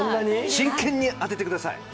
真剣に当ててください。